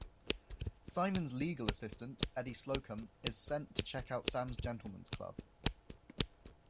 Simon's legal assistant, Eddie Slocum, is sent to checkout Sam's gentlemen's club.